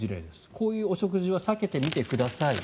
こういうお食事は避けてみてください。